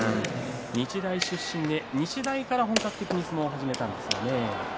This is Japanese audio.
日大出身で日大から本格的に相撲を始めたんですがね。